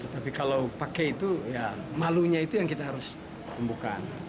tapi kalau pakai itu ya malunya itu yang kita harus tembukan